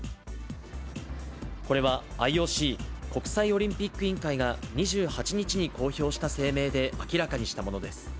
これはＩＯＣ・国際オリンピック委員会が２８日に公表した声明で明らかにしたものです。